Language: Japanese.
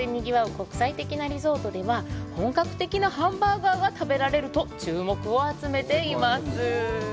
国際的なリゾートでは本格的なハンバーガーが食べられると注目を集めています